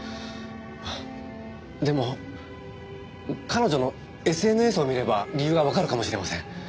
でも彼女のＳＮＳを見れば理由がわかるかもしれません。